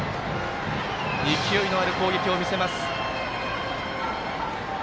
勢いのある攻撃を見せます。